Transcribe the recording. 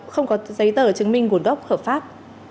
không có giấy tờ chứng minh gồn gốc khẩu pháp